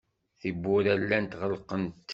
Tiwwura llant ɣelqent.